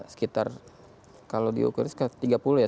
sekitar kalau diukur tiga puluh ya